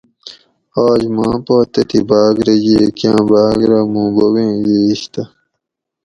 آج ماں پا تتھیں بھاۤگ رہ ییگ کاۤں بھاۤگ رہ مون بوبیں ییش تہ